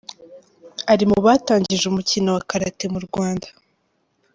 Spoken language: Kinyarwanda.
Ari mu batangije umukino wa Karate mu Rwanda.